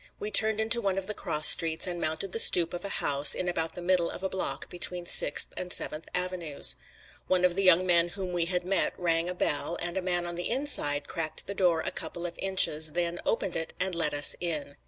We turned into one of the cross streets and mounted the stoop of a house in about the middle of a block between Sixth and Seventh Avenues. One of the young men whom we had met rang a bell, and a man on the inside cracked the door a couple of inches; then opened it and let us in.